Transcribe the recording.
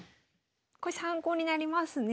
これ参考になりますね。